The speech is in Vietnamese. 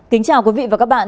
kính chào quý vị và các bạn